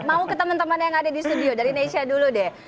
mau ke teman teman yang ada di studio dari nesha dulu deh